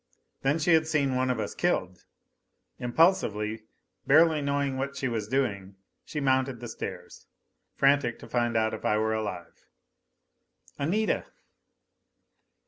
Then she had seen one of us killed. Impulsively, barely knowing what she was doing, she mounted the stairs, frantic to find if I were alive. "Anita!"